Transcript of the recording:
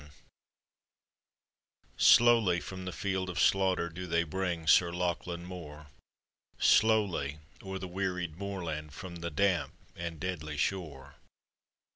] Slowly, from the field of slaughter, Do they bring Sir Lachlan Mor; Slowly, o'er the weary moorland. Prom the damp and deadly shore.